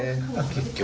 結局。